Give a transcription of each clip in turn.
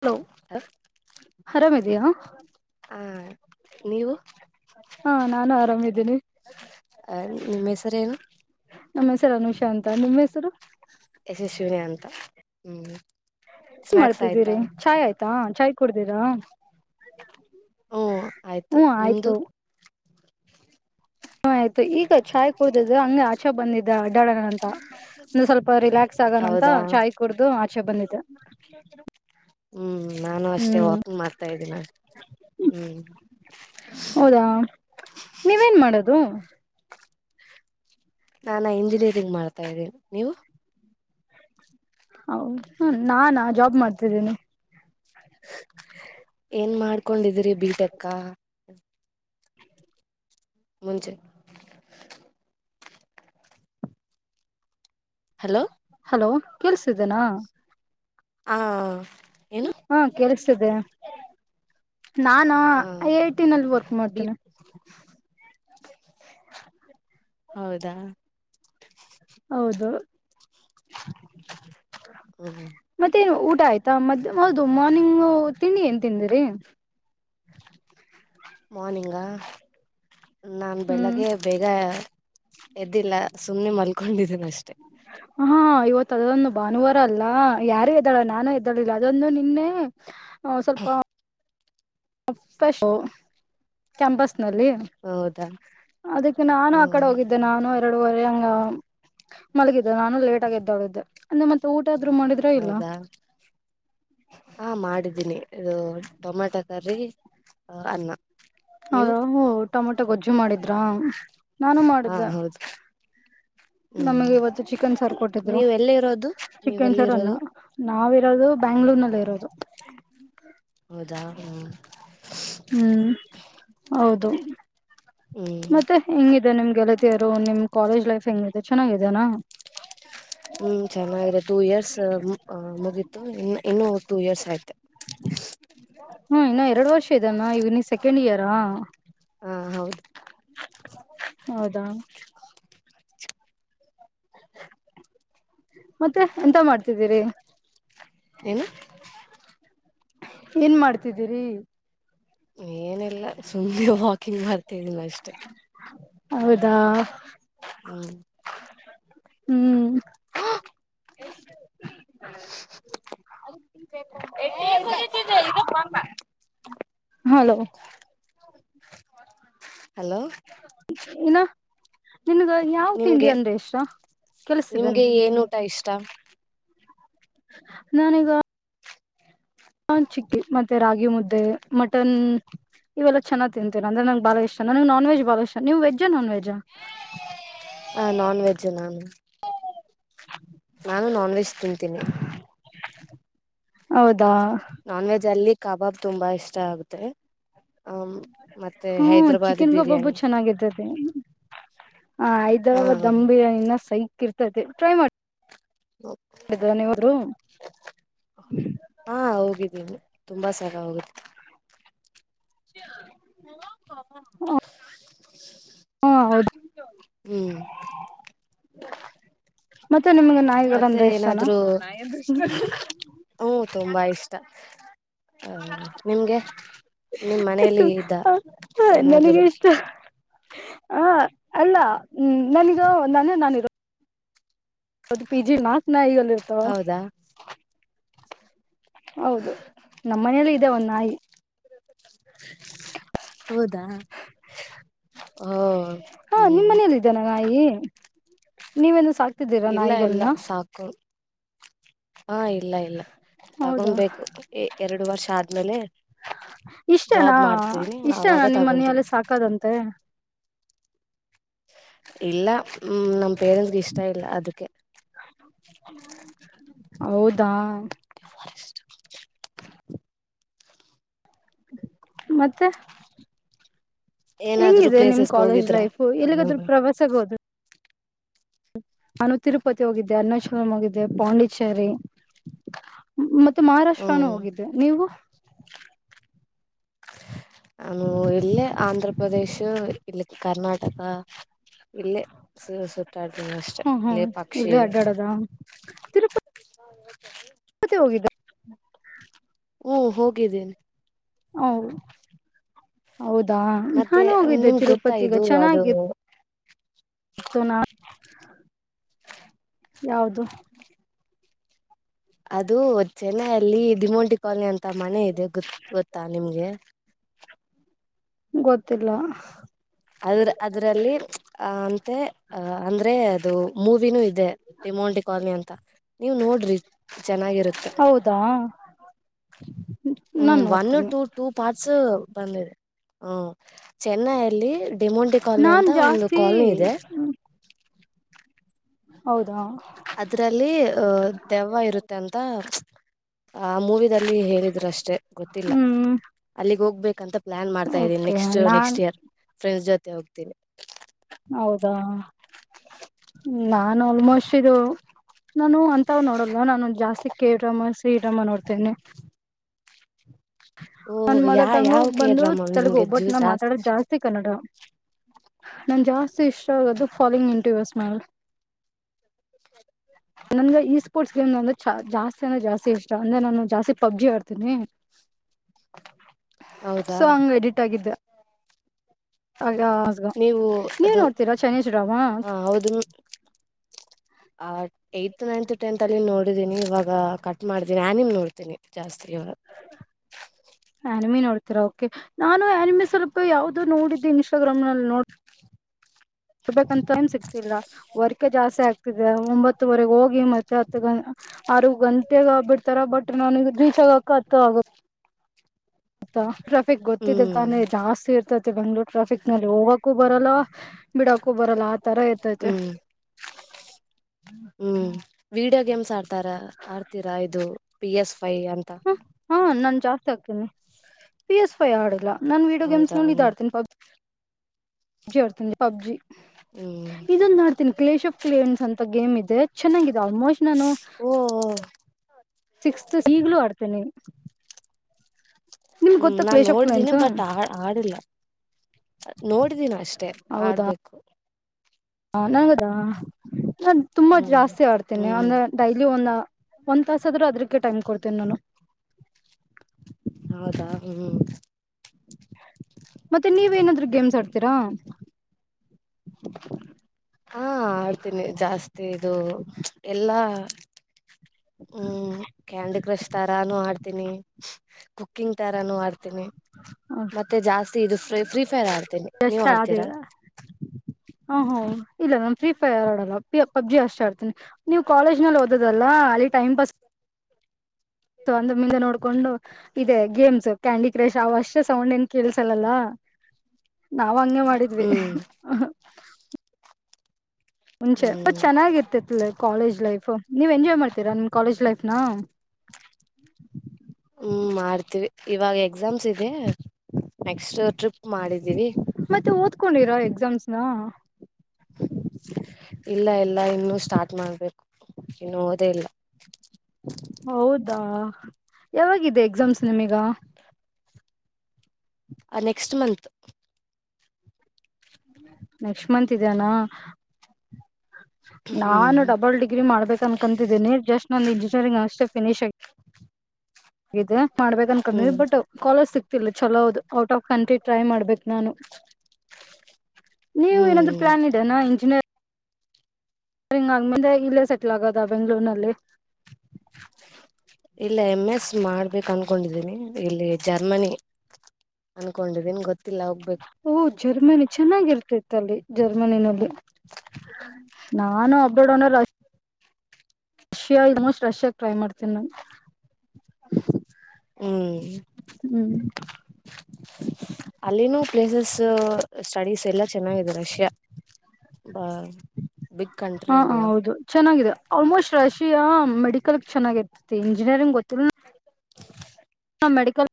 Hello ಹ ಆರಾಮ್ ಇದಿಯಾ ಹೌ [unintelligible] ಹಾ ನೀವು ಹಾ ನಾನು ಆರಾಮಿದ್ದೀನಿ ಅ ನಿಮ್ಮ ಹೆಸರ ಏನು ನಮ್ಮ ಹೆಸರು ಅನುಷಾ ಅಂತ ನಿಮ್ಮ ಹೆಸರು ಯಶಸ್ವಿನಿಯ ಅಂತ ಹ್ಮ್ ಸ್ನಾಯಕ್ಸ್ ಆಯ್ತಾ ಮಾಡ್ತಿದ್ದೀರಿ ಚಾಯ್ ಆಯ್ [unintelligible] ತ [unintelligible] ಚಾಯ್ ಕುಡ್ದರಾ ಹ್ಮ ಆಯ್ತು ನಿಮ್ದು ಹಯ್ತು [unintelligible] ಈಗ ಚಾಯ್ ಕುಡಿದಿದೆ ಹಂಗ ಆಚೆ ಬಂದಿದ್ದ ಅಡ್ಡಾಡಣ ಅಂತ [unintelligible] ಸ್ವಲ್ಪ ರಿಲ್ಯಾಕ್ಸ್ ಆಗೋಣ ಅಂತ ಹೌದಾ ಚಾಯ್ ಕುಡ್ದು ಆಚೆ ಬಂದಿದೆ ಹ್ಮ್ ನಾನು ಅಷ್ಟೇ ಹ್ಮ್ ವಾಕಿಂಗ್ ಮಾಡ್ತಾ ಇದ್ದೀನ ಹ್ಮ್ ಹೌದಾ ನೀವೇನ್ ಮಾಡದು ನಾನ ಇಂಜಿನಿಯರಿಂಗ್ ಮಾಡ್ತಾ ಇದ್ದೀನಿ ನೀವು ಹೌದು ನಾನಾ ಜಾಬ್ ಮಾಡ್ತಿದ್ದೀನಿ ಏನ್ ಮಾಡ [unintelligible] ಕೊಂಡಿದಿರಿ ಬಿ ಟೆಕ್ ಕ ಮುಂಚೆ ಹಲೋ ಹಲೋ ಕೇಲ್ಸಿದ್ದೇನಾ ಹಾ ಹಾ ಕೆಲ್ಸ ತಿದೆ ನಾನ ಹ ಐ ಐ ಟಿ ನಲ್ಲಿ ವರ್ಕ್ ಬಿ ಮಾಡ್ತೇನೆ ಹೌದಾ ಹ್ಮ್ [unintelligible] ಮತ್ತೆನು ಊಟ ಆಯ್ತಾ ಮತ್ [unintelligible] ಹೌದು ಮಾ ನೀವು ತಿಂಡಿ ಏನ್ ತಿಂದಿರಿ ಮಾರ್ನಿಂಗಾ ನಾನು ಹ್ಮ್ ಬೆಳಿಗ್ಗೆ ಬೇಗ ಎದ್ದಿಲ್ಲ ಸುಮ್ನೆ ಮಲ್ಕೊಂಡಿದ್ದನ ಅಷ್ಟೆ ಹಾ ಇವತ್ತು ಅದದೊಂದು ಭಾನುವಾರ ಅಲ್ಲ ಯಾರು ಎದ್ದಾಲಲ್ಲ ನಾನು ಎ ದದ್ದಾಳಿಲ್ಲ ಅದೊಂದು ನಿನ್ನೆ ಹಾಂ ಸ್ವಲ್ಪ [unintelligible] ಕ್ಯಾಂಪಸ್ ನಲ್ಲಿ ಹೌದಾ ಅದಕ್ಕೆ ನಾನು ಆ ಕಡೆ ಹ್ಮ್ ಹೋಗಿದ್ದೆ ನಾನು ಎರಡುವರೆ ಹಂಗ ಮಲಗಿ ಅದು ನಾನು ಲೇಟ್ ಎದ್ದೋಳಿದ್ದೆ ಅಂದ ಮತ್ತೆ ಊ ಊಟ ಆದ್ರೂ ಮಾಡಿದ್ರ ಇಲ್ಲ? ಹಾಂ ಮಾಡಿದ್ದೀನಿ ಇದು ಟೊಮೆಟೊ ಕರ್ರಿ ಅನ್ನ ನೀವು ಹೌದ ಹೂಂ ಟೊಮಟ್ ಟೊ ಗೊಜ್ಜು ಮಾಡಿದ್ ದ್ರ ನಾನೂ ಹಾ ಮಾಡಿದ್ದೆ. ಹೌದು ಹ್ಮ್ ನಮಗೆ ಇವತ್ತು ಚಿಕನ್ ಸಾರ್ ಕೊಟ್ಟಿದ್ರು ನೀವ್ ಎಲ್ಲಿ ಇರೋದು ನೀವ್ ಚಿಕನ್ ಎಲ್ಲಿ ಸಾರ್ ಅನ್ನ ಇರೋದು ನಾವಿರೋದು ಬ್ಯಾಂಗ್ಳೂರ್ನಲ್ಲಿರೋದು. ಹೌದಾ ಹ್ಮ್ ಹ್ಮ್ ಹೌದು ಹ್ಮ್ ಮತ್ತೆ ಹೆಂಗಿದೆ ನಿಮ್ಗೆ ಲೈಕ್ [unintelligible] ನಿಮ್ ಕಾಲೇಜ್ ಲೈಫ್ ಹೆಂಗಿದೆ ಚೆನ್ನಾಗಿದೆನಾ? ಹ್ಮ್ ಚೆನ್ನಾಗಿದೆ ಟೂ ಇಯರ್ಸ್ ಆ ಮುಗಿತು ಇನ್ ಇನ್ನು ಟೂ ಇಯರ್ಸ್ ಆಯ್ತು. ಹ್ಮ್ ಇನ್ನು ಎರ್ಡ್ ವರ್ಷ ಇದೆನ್ ನಾ ಇವಗ್ ನೀ ಸೆಕೆಂಡ್ ಇಯರಾ? ಹಾಂ ಹೌದು. ಹೌದಾ? [inaudible] ಎಂತ ಮಾಡ್ತಿದ್ದೀರಿ ಏನು? ಏನ್ ಮಾಡ್ತಿದ್ದೀರಿ? ಏನಿಲ್ಲ ಸುಮ್ನೆ ವಾಕಿಂಗ್ ಮಾಡ್ತಾ ಇದ್ದೀನಿ ಅಷ್ಟೆ. ಹೌದಾ ಹ್ಮ್ ಹ್ಮ್ [unintelligible] [inaudible] ಹಲೋ ಹಲೋ ಇನ್ನ ನಿನಗ ಯಾವ್ ತಿಂಡಿ ನಿಮ್ಗೆ ಅಂದ್ರೆ ಇಷ್ಟ ನಿಮ್ಗೆ ಕೇಳಿಸ್ತಿದ್ದೆನಾ? ಏನ್ ಊಟ ಇಷ್ಟ ನಾನ ಈಗ ಹಾ ಚಿಕ್ಕಿ ಮತ್ತೆ ರಾಗಿ ಮುದ್ದೆ ಮಟನ್ ಇವೆಲ್ಲ ಚೆನ್ನಾಗ್ ತಿಂತೀನಿ ಅಂದ್ರೆ ನಂಗೆ ಬಾಳ ಇಷ್ಟ ನನಗೆ ನಾನ್ ವೆಜ್ ಬಾಳ ಇಷ್ಟ ನೀವು ವೆಜ್ಜಾ ನಾನ್ ವೆಜ್ಜಾ ಹ ನಾನ್ವೆಜ್ಜ್ ನಾನು ನಾನು ನಾನ್ ವೆಜ್ ತಿಂತೀನಿ ಹೌದ್ ನಾನ್ ವೆಜ್ ಅಲ್ಲಿ ಕಬಾಬ್ ತುಂಬಾ ಇಷ್ಟ ಆಗುತ್ತೆ ಆ ಮತ್ತೆ ಹ್ಮ ಹೈದ್ರಾಬಾದಿ ಚಿಕನ್ ಕಬ್ಬಾಬ್ಬು ಬಿರಿಯಾನಿ ಚೆನ್ನಾಗಿದ್ದೆ ಹ ಹಾ ಹೈದರಾಬಾದ್ ದಂ ಬಿರಿಯಾನೀನು ಸೈ ಕಿರ್ತೈತಿ ಟ್ರೈ ಮಾಡ್ ಮಾಡಿದ್ರ ನೀವರು ಹಾ ಹೋಗಿದ್ದೀನಿ ತುಂಬಾ ಸಲಾ ಹೋಗಿತ್ ಹ್ಮಂ ಹೌದು ಹ್ಮ್ ಮತ್ತ್ ಮತ್ ನಿಮ್ಗ ಮತ್ತೆ ನಾಯಿಗಳಂದ್ರೆ ಇಷ್ಟನಾ ಏನಾದ್ರು ನಾಯಿ ಅಂದ್ರ ಇಷ್ಟ ಹ ನಿಮ್ಗೆ ನಿಮ್ ಮನೆಲಿ ಇದಾ ಏನಾದ್ರೂ. ಆ ಅಲ್ಲಾ ಹ್ಮ್ ನನೀಗಾ ನಾನ್ ಇರೋದ್ ಅದು ಪಿಜಿ ನಾಕ್ ನಾಯಿಗಳ ಇರ್ತಾವ. ಹೌದಾ ಹೌದು ನಮ್ಮ ಮನೇಲಿ ಇದೆ ಒಂದ್ ನಾಯಿ. [unintelligible] ಹೌದಾ ಓ ಹ್ಮ್. ಯಿ ನೀವೆಂದೂ ಸಾಕ್ ಇಲ್ಲ ಇಲ್ಲ ಸಾಕು. ಹಾ ಇಲ್ಲ ಇಲ್ಲ ಹೌದಾ ತಗೊಂಬೇಕು ಎರಡು ವರ್ಷ ಆದ್ಮೇಲೆ ಇಷ್ಟನಾ ಜಾಬ್ ಮಾಡ್ತೀನಿ ಇಷ್ಟನಾ ಅವಾಗ ನಿಮ್ ತಗೊಂತೀನಿ. ಮನೆಯಲ್ಲಿ ಸಾಕದಂತೆ ಇಲ್ಲ ಹ್ಮ್ ನಮ ಪೇರೆಂಟ್ಸ್ಗೆ ಇಷ್ಟ ಇಲ್ಲ ಅದಿಕ್ಕೆ. ಹೌದಾ [unintelligible] ಮತ್ತೆ ಏನಾದ್ರು ಹೆಂಗಿದೆ ನಿಮ್ ಪ್ಲೇಸಸ್ಗೆ ಕಾಲೇಜ್ ಹೋಗಿದ್ರಾ ಲೈಫ್ ಎಲ್ಲಿಗಾದ್ರೂ ಪ್ರವಾಸಗ ಹೋದ್ರಾ ನಾನು ತಿರುಪತಿ ಹೋಗಿದ್ದೆ ಅರ್ನೇಶ್ವರಂ ಹೋಗಿದ್ದೆ ಪಾಂಡಿಚೇರಿ ಮತ್ ಮತ್ ಮಹಾರಾಷ್ಟ್ರಾನೂ ಹ್ಮ್ ಹೋಗಿದ್ದೆ ನೀವು. ಹ ಇಲ್ಲೆ ಆಂಧ್ರ ಪ್ರದೇಶ್ ಇಲ್ಲೆ ಕರ್ನಾಟಕ ಇಲ್ಲೇ ಸೂ ಸುತ್ತಾಡಬೇಕೆಅಷ್ಟೆ ಹ್ಮ್ ಲೆ ಹ್ಮ್ ಪಕ್ಷಿ ಇಲ್ಲೇ ಹ ಅಡ್ಡಾಡದ [unintelligible] [inaudible] ಹೊಯ್ದ. [unintelligible] ಹಮ್ಮು ಹೋಗಿದೆ ಹೌ. [unintelligible] ಹೌದಾ ಮತ್ತೆ ನಾನು ಹೋಗಿದ್ದೆ ನಿಮ್ಗೆ ಗೊತ್ತಾ ತಿರುಪತಿಗೆ ಇದು ಅದು ಚೆನ್ನಾಗಿತ್ತು. ಯಾವದು. ಅದು ಚೆನ್ನೈಅಲ್ಲಿ ದಿಮೊಟಿ ಪಾಲಯ್ಯ ಅಂತ ಮನೆ ಇದೆ ಗೊ - ಗೊತ್ತಾ ನಿಮ್ಗೆ ಗೊತ್ತಿಲ್ಲ ಅ ಅದ್ರಲ್ಲಿ ಅ ಅಂತೆ ಅಹ ಅಂದ್ರೆ ಅದು ಮೂವಿನು ಇದೆ ಡಿಮೌಂಟಿ ಕಾಲೋನಿ ಅಂತ ನೀವ ನೋಡ್ರಿ ಚೆನ್ನಾಗಿರುತ್ತೆ ಹೌದಾ ಹ್ಮ್ ನಾನ್ ಒನ್ ನೋಡ್ತೀನಿ ಟೂ - ಟೂ ಪಾರ್ಟ್ಸ್ ಬಂದಿದೆ ಹ್ಮುಚೆನ್ನೈಲ್ಲಿ ಡೆಮೋಟಿ ಕಾಲನಿ ನಾನ್ ಅಂತ ಒಂದು ಜಾಸ್ತಿ ಕಾಲನಿ ಇದೆ ಹೌದಾ ಅದ್ರಲ್ಲಿ ಅಹ ದೆವ್ವ ಇರುತ್ತೆ ಅಂತ ಆ ಮೂವಿದಲ್ಲಿ ಹೇಳಿದ್ರು ಅಷ್ಟೆ ಗೊತ್ತಿಲ್ಲ ಹ್ಮ್ ಅಲ್ಲಿಗ್ ಹೋಗ್ಬೇಕು ಅಂತ ಪ್ಲಾನ್ ಮಾಡ್ತಾಇದಿನಿ [unintelligible] ಓಕೆ ನೆಕ್ಸ್ಟ್ ನಾನ್ ನೆಸ್ಟ್ಯರ್ ಫ್ರೆಂಡಸ್ ಜೊತೆ ಮತ್ತೆಹೋಗ್ತೀನಿ ಹೌದಾ ನಾನು ಆಲ್ಮೋಸ್ಟ್ ಇದು [inaudible] ನಾನು ಅಂತ ನೋಡಲ್ವಾ ನಾನು ಜಾಸ್ತಿ ಕೆ ರಾಮ ಶ್ರೀರಾಮ ನೋಡ್ತೇನೆ ಓಹ ನನ್ ಯಾ ಮದರ್ ಟಂಗು ಯಾವ ಕೆ ಬಂದು ಡ್ರಾಮಾ ತೆಲುಗು. ನಿಮ್ಗೆ ಬಟ್ ಜೂ ನಾ ಮಾತಾಡೋದು ಇಷ್ಟ ಜಾಸ್ತಿ ಕನ್ನಡ. ನನ್ ಜಾಸ್ತಿ ಇಷ್ಟ ಆಗದು ಫಾಲೋಯಿಂಗ್ ಇಂಟರ್ಸ್ ಮಲ್ಳಳಳ ನನ್ಗ ಈ ಸ್ಪೋರ್ಟ್ಸ್ ಗೇಮ್ ಅಂದ್ರೆ ಜಾಸ್ತಿ ಅಂದ್ರೆ ಜಾಸ್ತಿ ಇಷ್ಟ. ಅಂದ್ರೆ ನಾನು ಜಾಸ್ತಿ ಪಬ್ಜಿ ಆಡ್ತೀನಿ. ಹೌದಾ ಸಾಂಗ್ ಎಡಿಟ್ ಆಗಿದ್ದೆ ಹಾಗೆ ಸ್ಗ ನೀವು ನೀವ ಅದು ನೋಡ್ತೀರಾ ಚನ್ನಜರಾಮ [unintelligible] ಆ ಏಡತ್ ನೈನ್ತ್ ಟೆಂತ್ ಅಲ್ಲಿ ನೋಡಿದೀನಿ ಇವಾಗ ಕಟ್ ಮಾಡಿದೀನಿ ನಾನೆನೋಡ್ತೀನಿ ಜಾಸ್ತಿ. ಇವಾಗ ಹನುಮೀ ನೋಡ್ [unintelligible] ಆದ್ರೆ ಓಕೆ ನಾನು [inaudible] ಯಾವ್ದದು ನೋಡಿದ್ದ ಇನ್ಸ್ಟಾಗ್ರಾಮ್ ನಲ್ ನೋಡ್ ಕೊಡ್ಬೇಕಂತ ಏನ್ ಸಿಗ್ತಿಲ್ ವರ್ಕ್ ಮತ್ತೆ ಜಾಸ್ತಿ ಆಗ್ತಿದೆ ಒಂಬತ್ತುವರೆಗೆ ಹೋಗ್. ಮತ್ತೆ ಹತ್ತು ಗಂ ಆರು ಗಂಟೆಗ ಬಿಡ್ತಾರ ಬಟ್ ನಾನಗ ರೀಚ್ ಆಗಕ ಹತ್ತ ಆಗ ಟಾ ಟ್ರಾಫಿಕ್ ಗೊತ್ತಿದೆ ಹ್ಮ್ ತಾನೆ ಜಾಸ್ತಿ ಇರ್ ಮತ್ತೆ ಬೆಂಗಳೂರು ಟ್ರಾಫಿಕ್ ನಲ್ಲಿ ಹೋಗಕೂ ಬರಲ್ಲ ಬಿಡಕು ಬರಲ್ಲ ಆ ತರ ಅತ್ತೆಯಿತೇ ಹ್ಮ್ ಹ್ಮ್ ವಿಡಿಯೋ ಗೇಮ್ಸ್ ಆಡ್ತಾರ ಆಡ್ತೀರಾ ಇದು ಪಿ ಎಸ್ ಫೈ ಅಂತ ಹ್ ಹಾ ನನ್ ಜಾಸ್ತಿ ಪಿ ಎಸ್ ಪೈ ಆಡಿಲ್ಲ ನಾನು ವಿಡಿಯೋ ಗೇಮ್ ಹೌದಾ ನಲ್ಲಿ ಇದ್ ಹ್ಮ್ ಆಡ್ತೀನಿ ಪಬ್ ಪಬ್ಜಿ ಆಡ್ತಂದಿ ಪಬ್ಜಿ ಹ್ಮ್ ಇದೊಂದ ಆಡ್ತೀನಿ ಕ್ಲೇಶ್ ಆಫ್ ಕ್ಲೇನ್ಸ್ ಅಂತ ಗೇಮ್ ಇದೆ ಚೆನ್ನಾಗಿತ್ತು ಆಲ್ಮೋಸ್ಟ್ ನಾನು ಓ ಸಿಕ್ಸ್ತ್ ಈಗ್ಲೂ ಆಡ್ತೀನಿ ಹ್ಮ್ ನಾನ್ ನೋಡಿದ್ದೀನಿ ಬಟ್ ಆ ಆಡಿಲ್ಲ ನೋಡಿದೀನಿ ಅಷ್ಟೆ ಆಡ್ಬೇಕು ಹ ನಂಗದಾ ನಾನ್ ತುಂಬಾ ಹ್ಮ್ ಜಾಸ್ತಿ ಆಡ್ತೀನಿ ಹ್ಮ್ ಅಂದ್ರೆ ಡೈಲಿ ಒಂದ ಒಂದ್ ತಾಸ ಆದ್ರೂ ಅದಕ್ಕೆ ಟೈಮ್ ಕೊಡ್ತೇನಿ ನಾನು ಹೌದ ಹ್ಮ್ ಮತ್ತೆ ನೀವೇನಾದ್ರೂ ಗೇಮ್ ಆಡ್ ತಿರಾ... ಹಾ ಆಡ್ತೀನಿ ಜಾಸ್ತಿ ಇದು ಎಲ್ಲಾ ಹ್ಮ್ ಕ್ಯಾಂಡಿ ಕ್ರಶ್ ತರಾನು ಆಡ್ ಆಡ್ತೀನಿ ಕುಕಿಂಗ್ ತರಾನು ಆಡ್ ಅಡ್ತುನಿ ಮತ್ತೆ ಜಾಸ್ತಿ ಇದು ಫ್ರೀ ಫ್ರೀಫೈರ್ [unintelligible] ಫೈರ್ ಆಡಲ್ಲ ಪಬ್ಜಿ ಅಷ್ಟೇ ಆಡ್ತನಿ ನೀವು ಕಾಲೇಜ್ ನಲ್ಲಿ ಓದಲ್ಲ ಅಲ್ಲಿ ಟೈಮ್ ಪಾಸ್ ತುಂದು ಮುಂದೆ ನೋಡ್ಕೊಂಡು ಇದೆ ಗೇಮ್ಸ್ ಕ್ಯಾಂಡಿ [inaudible] ಸೌಂಡ್ ಏನ್ ಕೇಳ್ಸಲ್ಲಲ್ಲ ನಾವಂಗೆ ಮಾಡಿದ್ವಿ ಹ್ಮ್ ಮುಂಚೆ ಹ್ಮ್ ಬಚೆನ್ನಾಗಿರುತ್ತಿತ್ತುಕಾಲೇಜ್ ಲೈಫ್ ನೀವ್ ಎಂಜಾಯ್ ಮಾಡ್ತೀರಾ ನಿಮ್ಮಕಾಲೇಜ್ ಲೈಫ್ನ ಹ್ಮ ಮಾಡ್ತೀವಿ ಇವಾಗ ಎಕ್ಸಾಮ್ಸ್ ಇದೆ ನೆಕ್ಸ್ಟ್ ಮಾಡಿದ್ದೀವಿ ಕಟ್ಕೊಂಡಿರಾಎಕ್ಸಾಮ್ಸ್ನ ಇಲ್ಲ ಇಲ್ಲ ಇನ್ನು ಸ್ಟಾರ್ಟ್ ಮಾಡ್ಬೇಕು ಇನ್ನು ಓದೆೇ ಇಲ್ಲ ಹೌದಾ ಯಾವಾಗಿದೆ ಎಕ್ಸಾಮ್ಸ್ ನಿಮೀಗ ಆ ನೆಕ್ಸ್ಟ್ ಮಂತ್ ನೆಕ್ಸ್ಟ್ ಮಂತ್ ಇದೇನ ಹ್ಮ್ ನಾನು ಡಬಲ್ ಡಿಗ್ರಿ ಮಾಡ್ಬೇಕ ಅನ್ಕಂತಿದ್ದೀನಿ ಜಸ್ಟ್ ಒಂದ ಸರಿ ಅಷ್ಟೆ ಫಿನಿಷ್ ಇದೇ ಮಾಡ್ಬೇಕ ಅನ್ಕೊಂಡಿದಿ ಹ್ಮ್ ಬಟ್ ಕಾಲೇಜ್ ಸಿಗ್ತಿಲ್ಲ ಚಲೋ ಹೌದು ಔಟ್ ಆಫ್ ಕಂಟ್ರಿ ಟ್ರೈ ಮಾಡ್ಬೇಕು ನಾನು ನೀವು ಏನಾದ್ರೂ ಹ್ಮ್ ಪ್ಲಾನ್ ಇದೆ ನ ಇಂಜಿನಿಯರ್ ಸರಿಂಗ ಆ್ಮಂದೆ ಇಲ್ಲೇ ಸೆಟ್ಲ್ ಆಗೋದ ಬೆಂಗ್ಗಳೂರ್ನಲ್ಲಿ ಇಲ್ಲ ಎಂ ಎಸ್ ಮಾಡ್ಬೇಕ ಅನ್ಕೊಂಡಿದ್ದೀನಿ ಇಲ್ಲಿ ಜರ್ಮನಿ ಅನ್ಕೊಂಡಿದೀನ್ ಗೊತ್ ಓ ಜರ್ಮನಿ ಚೆನ್ನಾಗಿರುತ್ತೆ ತಲ್ಲಿ ಜರ್ಮನಿನಲ್ಲಿ ನಾನು abroad Russia almost Russia try ಮಾಡ್ತೇನಿ ನಾ ಹ್ಮ್ ಅಲ್ಲಿ ಪ್ಲೇಸಸ್ ಸ್ಟಡೀಸ್ ಎಲ್ಲಾ ಚೆನ್ನಾಗಿದೆ ರಷ್ಯಾ ಬಾ ಬಿಗ್ ಹ ಕಂಟ್ರಿ ಅಲ್ವಾ ಹೌದು ಚೆನ್ನಾಗಿದೆ ಆಲ್ಮೋಸ್ಟ್ ರಶಿಯಾ ಮ ಮೆಡಿಕಲ್ಕ್ ಚೆನ್ನಾಗಿರ್ತಿ ಇಂಜಿನಿಯರಿಂಗ್ ಗೊತ್ತಿಲ್ [unintelligible] ಹಾ ಮೆಡಿಕಲ್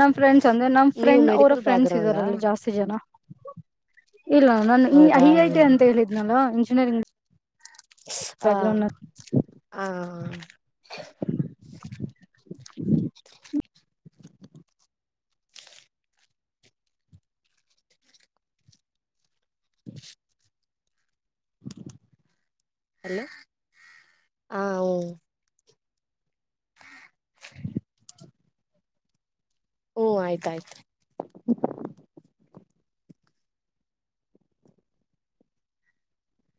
ನಮ್ ಫ್ರೆಂಡ್ಸ್ ಅಂದ್ರೆ ನಮ್ಮ ನೀವು ಫ್ರೆಂಡ್ ಅವ್ರರ ಮೆಡಿಕಲ್ ಬ್ಯಾಕ್ ಫ್ರೆಂಡ್ಸ್ ಗ್ರೌಂಡಾ ಇದರಲ್ಲಲ್ಲಿ ಜಾಸ್ತಿ ಜನ ಇಲ್ಲ ನಾನು ಈ ಹೌದಾ ಐ ಐ ಟಿ ಅಂತ ಹೇಳಿದ್ನಲ್ಲ ಇಂಜಿನಿಯರಿಂಗ್ ಆ ಬ್ಯಾಕ್ ಗ್ರೌಂಡ್ ಆ [unintelligible] ಹಲೋ ಆ ಊ [unintelligible] ಹ್ಮ ಆಯ್ತಾಯ್ತು